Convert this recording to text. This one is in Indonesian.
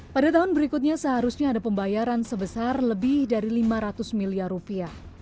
pada tahun berikutnya seharusnya ada pembayaran sebesar lebih dari lima ratus miliar rupiah